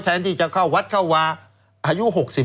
แทนที่จะเข้าวัดเข้าวาอายุ๖๒